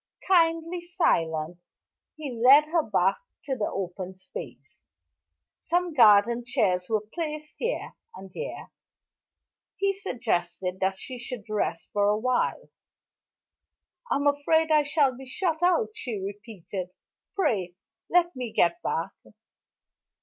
Kindly silent, he led her back to the open space. Some garden chairs were placed here and there; he suggested that she should rest for a while. "I'm afraid I shall be shut out," she repeated. "Pray let me get back."